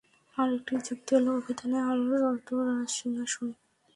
আরেকটি যুক্তি হলো, অভিধানে আরশ অর্থ রাজ সিংহাসন।